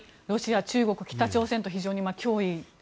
ロシア、中国、北朝鮮と非常に脅威。